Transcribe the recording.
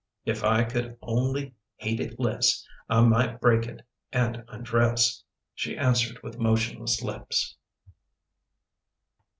" If I could only hate it less I might break it, and undress/' She answered with motionless lips.